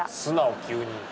素直急に。